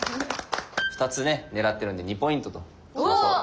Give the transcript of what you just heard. ２つね狙ってるので２ポイントとしましょう。